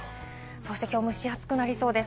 きょう蒸し暑くなりそうです。